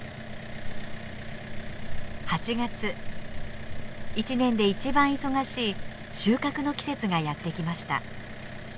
８月一年で一番忙しい収穫の季節がやって来ました。